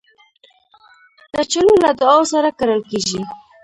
کچالو له دعاوو سره کرل کېږي